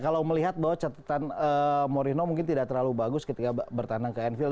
kalau melihat bahwa catatan morino mungkin tidak terlalu bagus ketika bertandang ke anfield